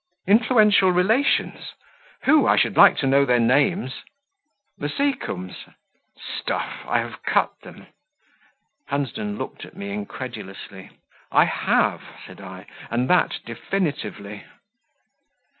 "Influential relations? Who? I should like to know their names." "The Seacombes." "Stuff! I have cut them." Hunsden looked at me incredulously. "I have," said I, "and that definitively."